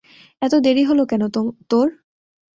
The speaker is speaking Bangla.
এত দেরি হল কেন তোর?